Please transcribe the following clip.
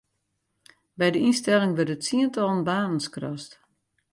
By de ynstelling wurde tsientallen banen skrast.